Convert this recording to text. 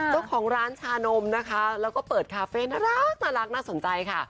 เจ้าของร้านชานมนะคะแล้วก็เปิดคาเฟ่น่ารักน่าสนใจค่ะ